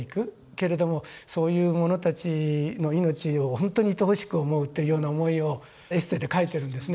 けれどもそういう者たちの命をほんとにいとおしく思うというような思いをエッセーで書いてるんですね。